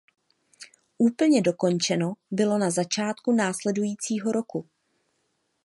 Úplně dokončeno bylo na začátku následujícího roku.